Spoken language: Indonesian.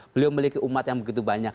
beliau memiliki umat yang begitu banyak